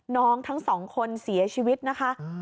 ทั้งสองคนเสียชีวิตนะคะ